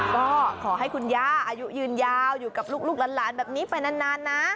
ก็ขอให้คุณย่าอายุยืนยาวอยู่กับลูกหลานแบบนี้ไปนานนะ